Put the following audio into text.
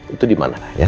itu dimana ya